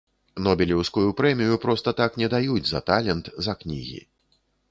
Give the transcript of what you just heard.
Нобелеўскую прэмію проста так не даюць за талент, за кнігі.